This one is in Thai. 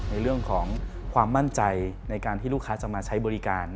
ในเรื่องของความมั่นใจในการที่ลูกค้าจะมาใช้บริการ